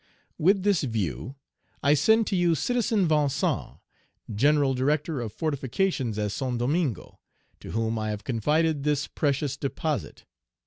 With this view, I send to you Citizen Vincent, general director of fortifications at Saint Domingo, to whom I have confided this precious deposit.